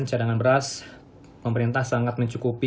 cadangan beras pemerintah sangat mencukupi